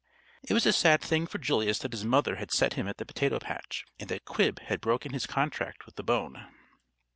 It was a sad thing for Julius that his mother had set him at the potato patch, and that Quib had broken his contract with the bone.